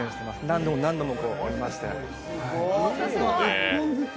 何度も何度も折りまして。